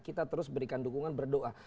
kita terus berikan dukungan berdoa